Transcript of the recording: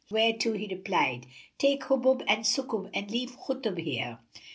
whereto he replied, "Take Hubub and Sukub and leave Khutub here."